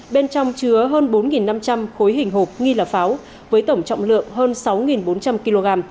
bên trong chứa hơn bốn năm trăm linh khối hình hộp nghi là pháo với tổng trọng lượng hơn sáu bốn trăm linh kg